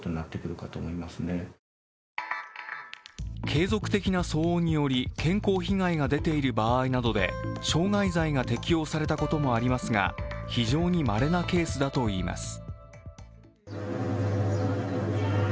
継続的な騒音により健康被害が出ている場合などで傷害罪が適用されたこともありますが非常にまれなケースだといいます。